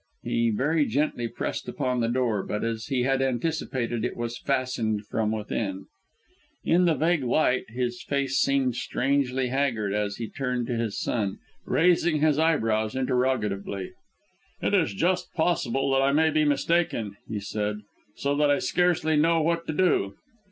He very gently pressed upon the door, but as he had anticipated it was fastened from within. In the vague light, his face seemed strangely haggard as he turned to his son, raising his eyebrows interrogatively. "It is just possible that I may be mistaken," he said; "so that I scarcely know what to do."